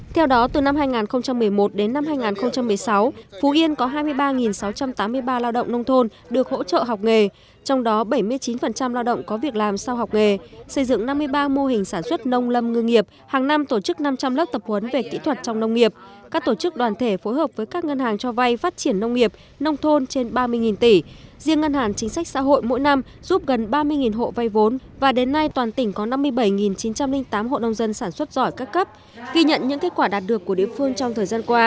theo đó từ năm hai nghìn một mươi một đến năm hai nghìn một mươi sáu phú yên có hai mươi ba sáu trăm tám mươi ba lao động nông thôn được hỗ trợ học nghề trong đó bảy mươi chín lao động có việc làm sau học nghề xây dựng năm mươi ba mô hình sản xuất nông lâm ngư nghiệp hàng năm tổ chức năm trăm linh lớp tập huấn về kỹ thuật trong nông nghiệp các tổ chức đoàn thể phối hợp với các ngân hàng cho vai phát triển nông nghiệp nông thôn trên ba mươi tỷ riêng ngân hàng chính sách xã hội mỗi năm giúp gần ba mươi hộ vai vốn và đến nay toàn tỉnh có năm mươi bảy chín trăm linh tám hộ vai vốn